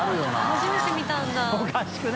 初めて見たんだ。